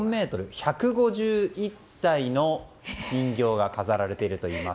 １５１体の人形が飾られているといいます。